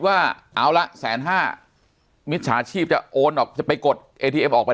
ว่าเอาละแสนห้ามิจฉาชีพจะโอนออกจะไปกดเอทีเอ็มออกไป